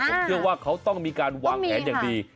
ผมเชื่อว่าเขาต้องมีการวางแผนอย่างดี